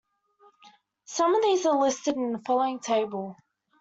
Some of these are listed in the following table.